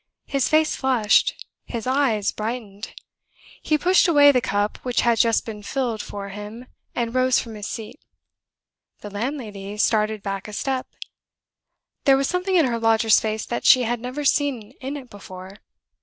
His face flushed, his eyes brightened; he pushed away the cup which had just been filled for him, and rose from his seat. The landlady started back a step. There was something in her lodger's face that she had never seen in it before.